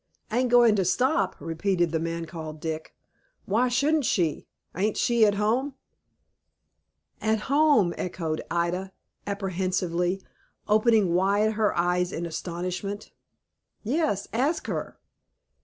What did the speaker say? "Ain't going to stop!" repeated the man called Dick. "Why shouldn't she? Ain't she at home?" "At home!" echoed Ida, apprehensively, opening wide her eyes in astonishment. "Yes, ask her."